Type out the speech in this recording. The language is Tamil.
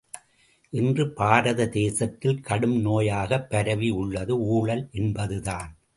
இன்று பாரத தேசத்தில் கடும் நோயாகப் பரவி உள்ளது ஊழல் என்பதுதான்.